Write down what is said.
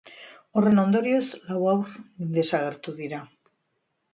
Horren ondorioz, lau haur desagertu dira.